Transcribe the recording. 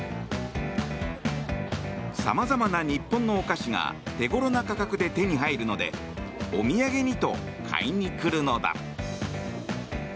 様々な日本のお菓子が手頃な価格で手に入るのでお土産にと買いに来るのだ。